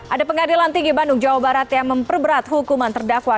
ada pengadilan tinggi bandung jawa barat yang memperberat hukuman terdakwa